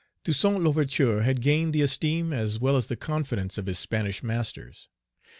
Toussaint L'Ouverture had gained the esteem as well as the confidence of his Spanish masters.